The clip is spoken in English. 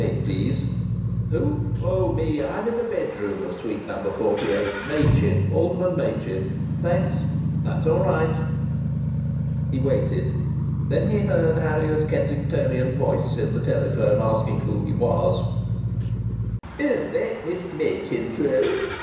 48, please. Who? Oh, me! I'm in the bedroom of Suite No. 48. Machin, Alderman Machin. Thanks. That's all right." He waited. Then he heard Harrier's Kensingtonian voice in the telephone asking who he was. "Is that Mr. Machin's room?"